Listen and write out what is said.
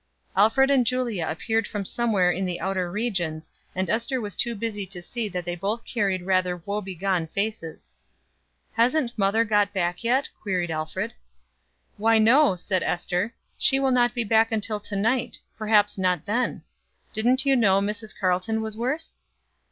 Alfred and Julia appeared from somewhere in the outer regions, and Ester was too busy to see that they both carried rather woe begone faces. "Hasn't mother got back yet?" queried Alfred. "Why, no," said Ester. "She will not be back until to night perhaps not then. Didn't you know Mrs. Carleton was worse?"